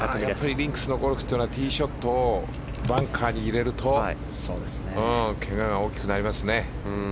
リンクスのゴルフはティーショットをバンカーに入れるとけがが大きくなりますね。